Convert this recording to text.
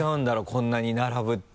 こんなに並ぶって。